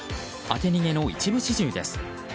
当て逃げの一部始終です。